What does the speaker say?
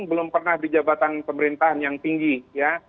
belum pernah di jabatan pemerintahan yang tinggi ya